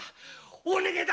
お願いだ